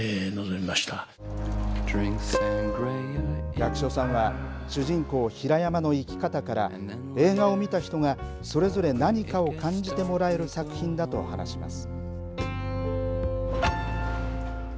役所さんは、主人公、平山の生き方から、映画を見た人がそれぞれ何かを感じてもらえる作品だと話します。